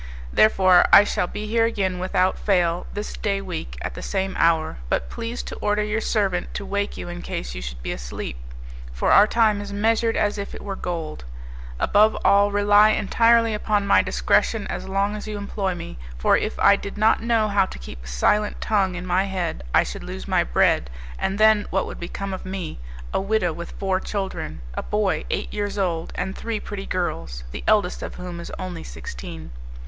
Therefore I shall be here again, without fail, this day week at the same hour, but please to order your servant to wake you in case you should be asleep, for our time is measured as if it were gold. Above all, rely entirely upon my discretion as long as you employ me; for if I did not know how to keep a silent tongue in my head I should lose my bread, and then what would become of me a widow with four children, a boy eight years old, and three pretty girls, the eldest of whom is only sixteen?